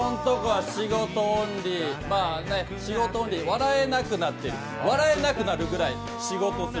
ここのところは仕事オンリー、笑えなくなっている、笑えなくなるぐらい仕事する。